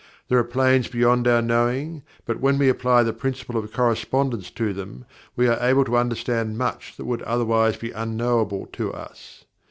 There are planes beyond our knowing, but when we apply the Principle of Correspondence to them we are able to understand much that would otherwise be unknowable to us.